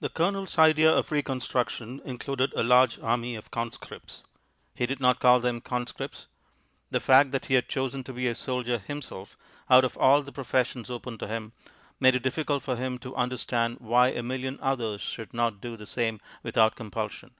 The Colonel's idea of Reconstruction included a large army of conscripts. He did not call them conscripts. The fact that he had chosen to be a soldier himself, out of all the professions open to him, made it difficult for him to understand why a million others should not do the same without compulsion.